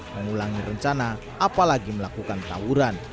mengulangi rencana apalagi melakukan tawuran